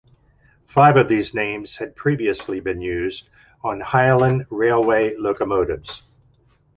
Five of these names had previously been used on Highland Railway locomotives.